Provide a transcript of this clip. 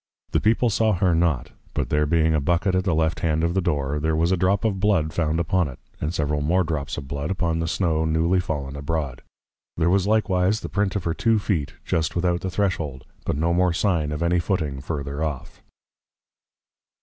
The People saw her not; but there being a Bucket at the Left hand of the Door, there was a drop of Blood found upon it; and several more drops of Blood upon the Snow newly fallen abroad: There was likewise the print of her 2 Feet just without the Threshold; but no more sign of any Footing further off.